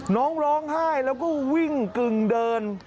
น้องร้องไห้แล้วก็วิ่งกึ่งเดิน